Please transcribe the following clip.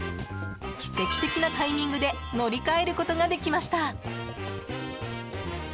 奇跡的なタイミングで乗り換えることができました。